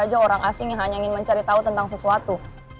aja orang asing yang hanya ingin mencari tahu tentang sesuatu